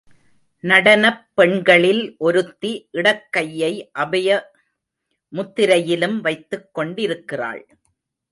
நடனப் பெண்களில் ஒருத்தி இடக்கையை அபய முத்திரையிலும் வைத்துக் கொண்டிருக்கிறாள்.